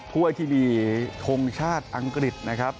ถ้วยที่มีทงชาติอังกฤษนะครับ